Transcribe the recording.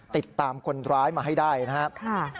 ติดตามคนร้ายมาให้ได้นะครับ